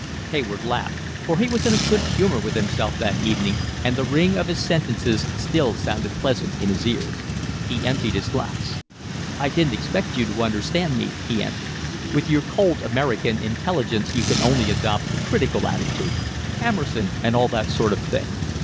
Hayward laughed, for he was in a good humour with himself that evening, and the ring of his sentences still sounded pleasant in his ears. He emptied his glass. "I didn't expect you to understand me," he answered. "With your cold American intelligence you can only adopt the critical attitude. Emerson and all that sort of thing.